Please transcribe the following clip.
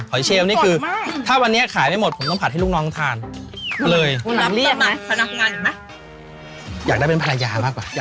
ไม่แพ้กันแต่ว่ามีความแบบฉ่ำกว่าครับด้วยความเป็นผัดฉ่ะแล้วก็หอยยะ